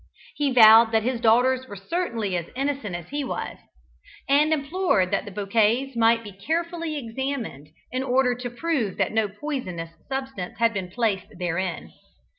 He vowed that his daughters were certainly as innocent as he was, and implored that the bouquets might be carefully examined, in order to prove that no poisonous substance had been placed therein.